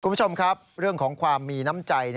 คุณผู้ชมครับเรื่องของความมีน้ำใจ